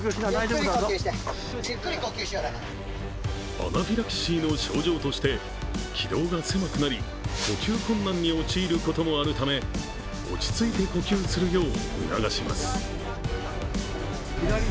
アナフィラキシーの症状として気道が狭くなり呼吸困難に陥ることもあるため、落ち着いて呼吸するよう促します。